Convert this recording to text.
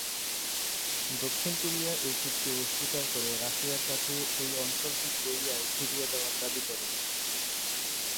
দক্ষিণ কোরিয়া এই চুক্তি অস্বীকার করে রাশিয়ার কাছে এই অঞ্চলটি কোরিয়ায় ফিরিয়ে দেওয়ার দাবি করে।